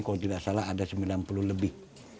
kalau tidak salah ada sembilan puluh lebih